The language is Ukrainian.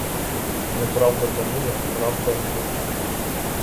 Неправда панує, правда гине.